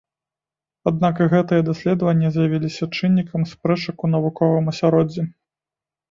Аднак і гэтыя даследаванні з'явіліся чыннікам спрэчак у навуковым асяроддзі.